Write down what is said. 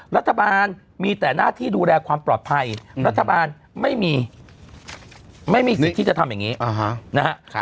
รัฐบาลมีแต่หน้าที่ดูแลความปลอดภัยรัฐบาลไม่มีไม่มีสิทธิ์ที่จะทำอย่างนี้นะฮะ